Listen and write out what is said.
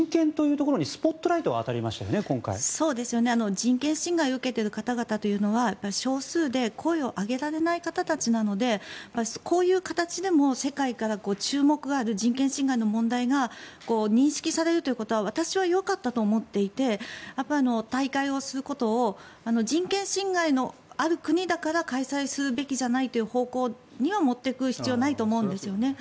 人権侵害を受けている方々というのは少数で声を上げられない方たちなのでこういう形でも世界から注目がある人権侵害の問題が認識されることは私はよかったと思っていて大会をすることを人権侵害のある国だから開催するべきじゃないという方向には持っていく必要はないと思うんですよね。